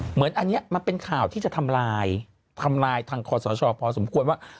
เหมือนอันนี้มันเป็นข่าวที่จะทำลายทำลายทางคอสชพอสมควรว่า